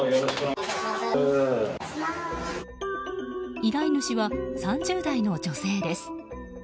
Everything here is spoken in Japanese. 依頼主は３０代の女性です。